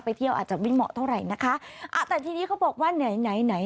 เที่ยวอาจจะไม่เหมาะเท่าไหร่นะคะอ่าแต่ทีนี้เขาบอกว่าไหนไหน